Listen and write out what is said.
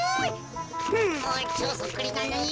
もうちょうそっくりなのに。